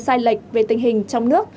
sai lệch về tình hình trong nước